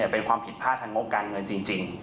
เป็นความผิดพลาดทางงบการเงินจริง